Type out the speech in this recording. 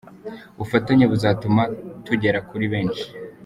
Ubufatanye buzatuma tugera kuri benshi.